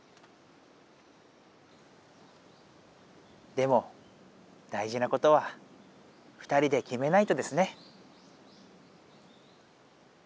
でも大じなことは２人できめないとですね。